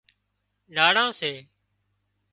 ناڙان سي